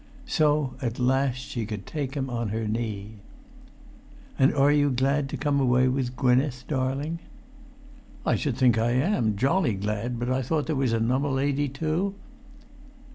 So at last she could take him on her knee. "And are you glad to come away with Gwynneth, darling?" "I should think I are; jolly glad; but I thought there was anunner lady too?"